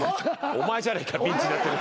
お前じゃねえかピンチになってる。